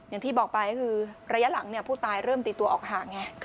อย่างที่บอกไปก็คือระยะหลังผู้ตายเริ่มตีตัวออกห่างไง